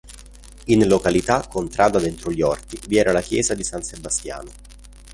In località "Contrada dentro gli Orti" vi era la chiesa di San Sebastiano.